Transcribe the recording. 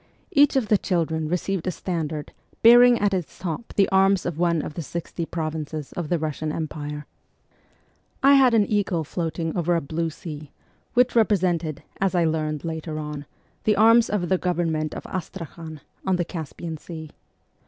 Each of the children received a standard bearing at its top the arms of one of the sixty provinces of the Russian Empire. I had 28 MEMOIRS OF A REVOLUTIONIST an eagle floating over a blue sea, which represented, as I learned later on, the arms of the government of Astrakhan, on the Caspian Sea.